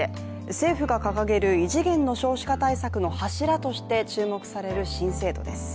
政府が掲げる異次元の少子化対策の柱として注目される新制度です。